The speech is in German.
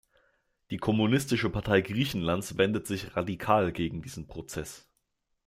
Die Kommunistische Partei Griechenlands wendet sich radikal gegen diesen Prozess.